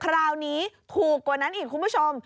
คราวนี้ถูกกว่านั้นอีกคุณผู้ชม